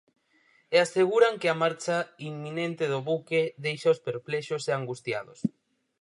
E aseguran que a marcha inminente do buque déixaos perplexos e angustiados.